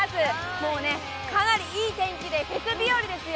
もうかなりいい天気でフェス日和ですよ。